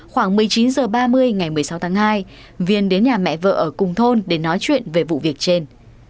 khoảng một mươi chín h ba mươi ngày một mươi sáu tháng hai viên đến nhà mẹ vợ ở cùng thôn để nói chuyện về vụ việc trên